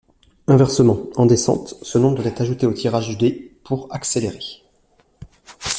Inversement, en descente, ce nombre doit être ajouté au tirage du dé pour accélérer.